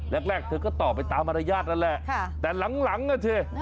แรกเธอก็ตอบไปตามมารยาทนั่นแหละแต่หลังอ่ะสิ